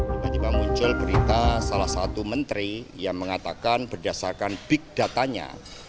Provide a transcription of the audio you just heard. tiba tiba muncul berita salah satu menteri yang mengatakan berdasarkan big datanya